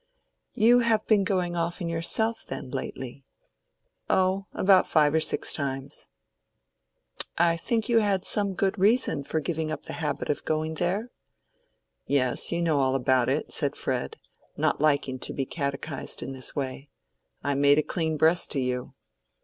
"You have been going often yourself, then, lately?" "Oh, about five or six times." "I think you had some good reason for giving up the habit of going there?" "Yes. You know all about it," said Fred, not liking to be catechised in this way. "I made a clean breast to you."